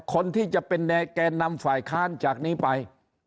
คนที่จะเป็นแก่นำฝ่ายค้านจากนี้ไป